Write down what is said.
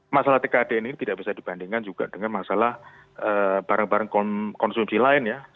masalah tkdn ini tidak bisa dibandingkan juga dengan masalah barang barang konsumsi lain ya